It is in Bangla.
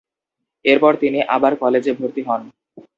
এরপর তিনি আবার কলেজে ভর্তি হন।